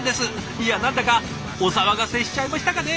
いや何だかお騒がせしちゃいましたかね？